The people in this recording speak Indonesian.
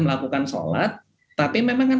melakukan sholat tapi memang kan